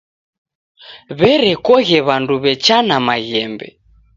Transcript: W'erekoghe w'andu w'echana maghembe.